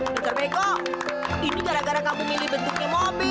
dekor bego ini gara gara kamu milih bentuknya mobil